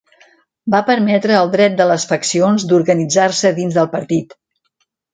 Va permetre el dret de les faccions d'organitzar-se dins del partit.